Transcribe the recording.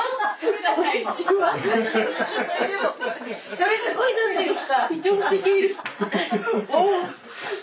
それすごい何ていうか。